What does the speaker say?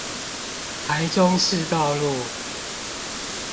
台中市道路